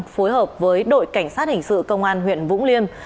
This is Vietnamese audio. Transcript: phối hợp với đội cảnh sát hình sự công an huyện vũng liêm